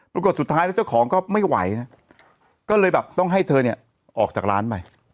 ปรากฏสุดท้ายแล้วเจ้าของก็ไม่ไหวนะก็เลยแบบต้องให้เธอเนี่ยออกจากร้านไป